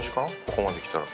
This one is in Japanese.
ここまできたら。